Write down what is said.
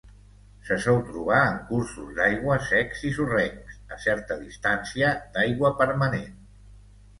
Se sol trobar en cursos d'aigua secs i sorrencs, a certa distància d'aigua permanent.